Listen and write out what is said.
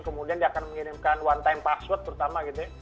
kemudian dia akan mengirimkan one time password terutama gitu ya